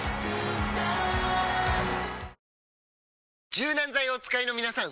柔軟剤をお使いのみなさん！